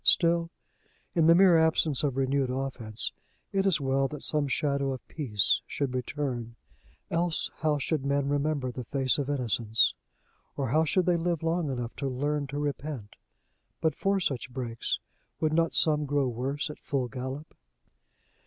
Still, in the mere absence of renewed offense, it is well that some shadow of peace should return; else how should men remember the face of innocence? or how should they live long enough to learn to repent? But for such breaks, would not some grow worse at full gallop?